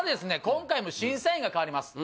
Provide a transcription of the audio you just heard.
今回も審査員が変わります